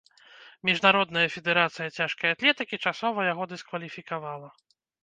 Міжнародная федэрацыя цяжкай атлетыкі часова яго дыскваліфікавала.